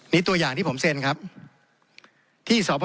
นี่ตัวอย่างที่ผมเซ็นครับที่สพ